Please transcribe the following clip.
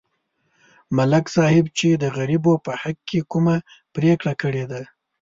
ملک صاحب چې د غریبو په حق کې کومه پرېکړه کړې ده